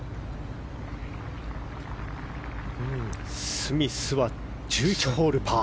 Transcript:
スミスは１１ホール、パー。